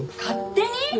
勝手に！？